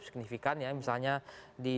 signifikan ya misalnya di